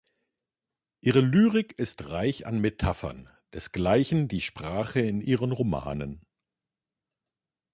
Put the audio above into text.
Ihre Lyrik ist reich an Metaphern, desgleichen die Sprache in ihren Romanen.